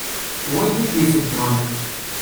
Wid i d-iteddun.